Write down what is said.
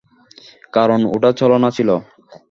কারণ ওটা ছলনা ছিলো।